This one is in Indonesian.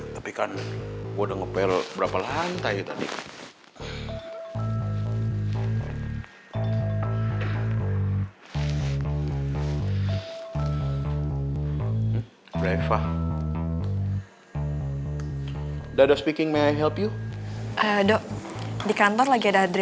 tapi kan saya sudah berlantai berapa lantai tadi